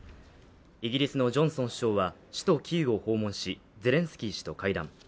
イギリスのジョンソン首相は首都キーウを訪問しゼレンスキー氏と会談。